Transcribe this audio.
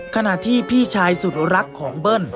ขณะที่พี่ชายสุดรักของเบิ้ล